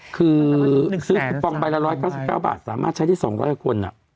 คือซื้อคูปองใบละ๑๙๙บาทสามารถใช้ได้๒๐๐คน